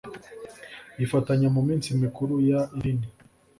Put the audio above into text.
yifatanya mu minsi mikuru y idini